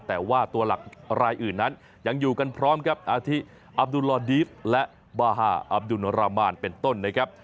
แต่ว่าตัวหลักรายอื่นนั้นยังอยู่กันพร้อมครับอาทิอับดุลลอดีฟและบาฮาอับดุลรามานเป็นต้นนะครับ